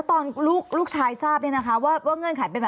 ตอนที่จะไปอยู่โรงเรียนนี้แปลว่าเรียนจบมไหนคะ